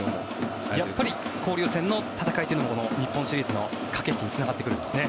やっぱり交流戦の戦いが日本シリーズの駆け引きにつながってくるんですね。